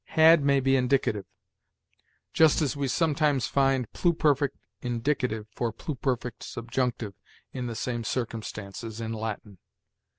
'Had' may be indicative; just as we sometimes find pluperfect indicative for pluperfect subjunctive in the same circumstances in Latin.